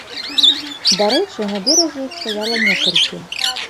Дарэчы, на беразе іх стаяла некалькі.